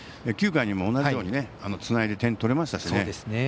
９回にも同じようにつないで点取れましたしね。